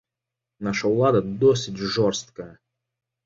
Наша ўлада досыць жорсткая.